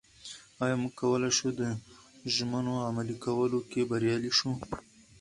ایا موږ کولای شو د ژمنو عملي کولو کې بریالي شو؟